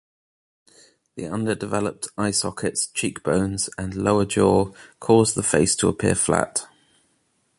The underdeveloped eye sockets, cheekbones, and lower jaw cause the face to appear flat.